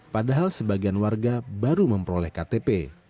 padahal sebagian warga baru memperoleh ktp